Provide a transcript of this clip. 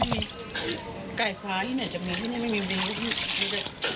ไม่มีไก่ฟ้าที่เนี่ยจำนวนที่นี่ไม่มีวิว